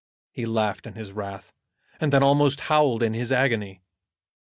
He laughed in his wrath, and then almost howled in his agony.